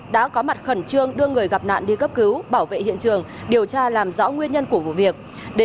đã có mặt khẩn trương đưa người gặp nạn đi cấp cứu bảo vệ hiện trường điều tra làm rõ nguyên nhân của vụ việc